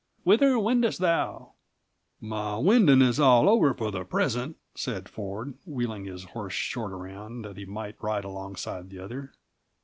"Whither wendest thou?" "My wending is all over for the present," said Ford, wheeling his horse short around, that he might ride alongside the other.